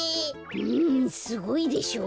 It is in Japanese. うんすごいでしょ？